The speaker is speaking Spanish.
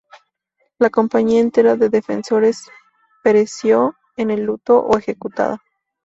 La compañía entera de defensores pereció en la luto o ejecutada.